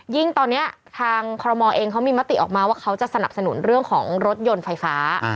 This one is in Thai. ยิ่งตอนนี้ทางคอรมอลเองเขามีมติออกมาว่าเขาจะสนับสนุนเรื่องของรถยนต์ไฟฟ้า